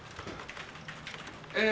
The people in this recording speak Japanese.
え